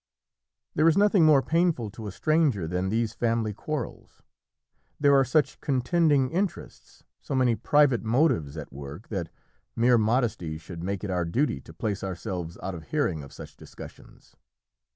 There is nothing more painful to a stranger than these family quarrels. There are such contending interests, so many private motives, at work, that mere modesty should make it our duty to place ourselves out of hearing of such discussions.